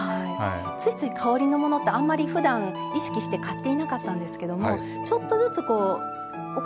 ついつい香りのものってあんまりふだん意識して買っていなかったんですけどもちょっとずつお買い物のときに。